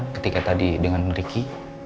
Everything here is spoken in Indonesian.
ketika tadi dengan riki